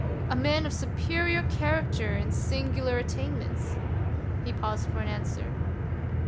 " A man of superior character and singu lar attainments" — He paused for an answer.